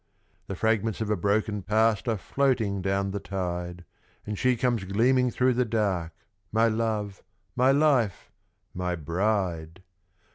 The fragments of a broken Past are floating down the tide, And she comes gleaming through the dark, my love, my life, my bride!